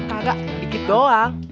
kagak dikit doang